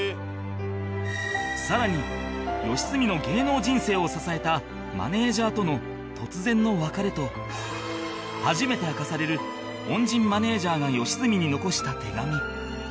さらに良純の芸能人生を支えたマネージャーとの突然の別れと初めて明かされる恩人マネージャーが良純に残した手紙